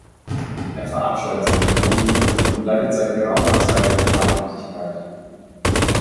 Er verabscheut seinen Beruf und leidet seit geraumer Zeit an Schlaflosigkeit.